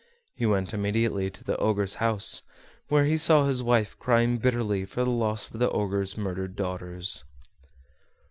He went immediately to the Ogre's house, where he saw his wife crying bitterly for the loss of the Ogre's murdered daughters.